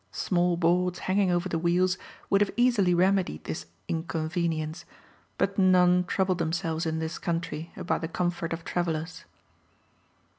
Small boards hanging over the wheels would have easily remedied this inconvenience; but none trouble themselves in this country about the comfort of travellers.